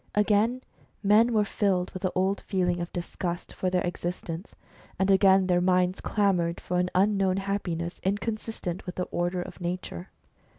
Again men were filled with the old feeling of disgust for their exist ence, and again their minds clamoured for an unknown happiness, inconsistent with the order of nature.